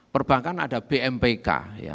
perbankan ada bmpk